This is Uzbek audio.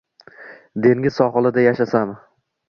Dengiz sohilida yashasam